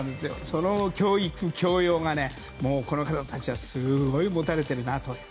その教育、教養をこの方たちはすごく持たれているなと。